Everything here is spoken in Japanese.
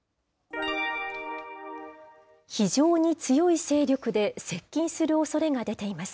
非常に強い勢力で接近するおそれが出ています。